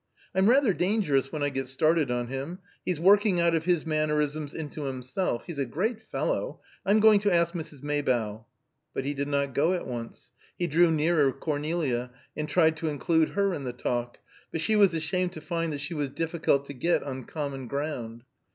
"I'm rather dangerous when I get started on him. He's working out of his mannerisms into himself. He's a great fellow. I'm going to ask Mrs. Maybough." But he did not go at once. He drew nearer Cornelia, and tried to include her in the talk, but she was ashamed to find that she was difficult to get on common ground.